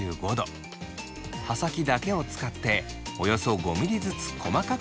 刃先だけを使っておよそ５ミリずつ細かく切っていきます。